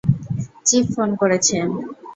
Chief phone করেছেন।